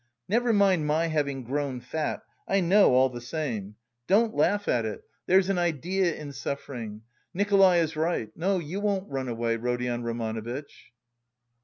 Never mind my having grown fat, I know all the same. Don't laugh at it, there's an idea in suffering, Nikolay is right. No, you won't run away, Rodion Romanovitch."